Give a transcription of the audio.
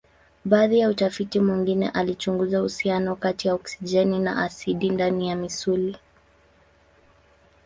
Baadhi ya utafiti mwingine alichunguza uhusiano kati ya oksijeni na asidi ndani ya misuli.